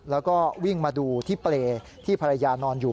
แล้วก็วิ่งมาดูที่เปรย์ที่ภรรยานอนอยู่